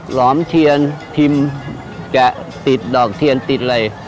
หลอมเทียนทิมแกะติดดอกเทียนติด